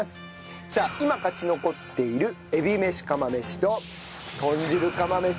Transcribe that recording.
さあ今勝ち残っているえびめし釜飯と豚汁釜飯。